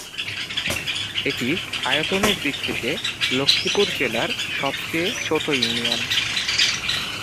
এটি আয়তনের দিক থেকে লক্ষ্মীপুর জেলার সবচেয়ে ছোট ইউনিয়ন।